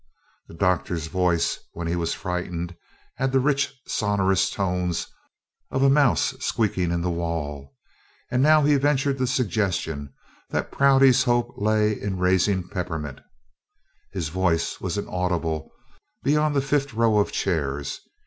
The doctor's voice when he was frightened had the rich sonorous tones of a mouse squeaking in the wall, and now as he ventured the suggestion that Prouty's hope lay in raising peppermint, his voice was inaudible beyond the fifth row of chairs.